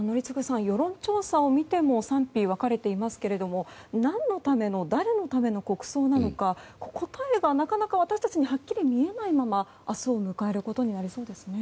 宜嗣さん、世論調査を見ても賛否が分かれていますけども何のための誰のための国葬なのか答えがなかなか私たちにはっきり見えないまま明日を迎えることになりそうですね。